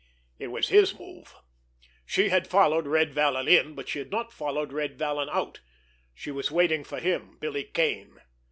It was his move. She had followed Red Vallon in, but she had not followed Red Vallon out—she was waiting for him, Billy Kane.